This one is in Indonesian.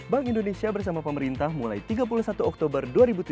bank indonesia bersama pemerintah mulai tiga puluh satu oktober dua ribu tujuh belas